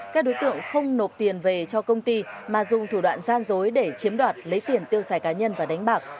các đối tượng không nộp tiền về cho công ty mà dùng thủ đoạn gian dối để chiếm đoạt lấy tiền tiêu xài cá nhân và đánh bạc